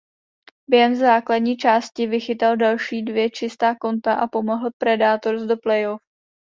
Během základní části vychytal další dvě čistá konta a pomohl Predators do playoff.